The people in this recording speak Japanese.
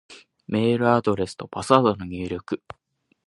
メールアドレスとパスワードの入力